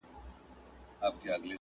ما یې تنې ته زلمۍ ویني اوبه خور ورکاوه!.